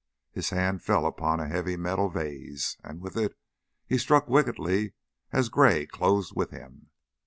His hand fell upon a heavy metal vase, and with this he struck wickedly as Gray closed with him.